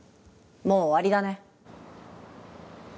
もう終わりだね。